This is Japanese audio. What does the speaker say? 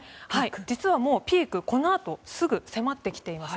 実はもうピークはこのあとすぐ迫ってきています。